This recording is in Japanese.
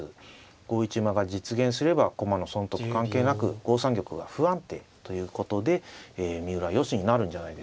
５一馬が実現すれば駒の損得関係なく５三玉が不安定ということで三浦よしになるんじゃないですかね。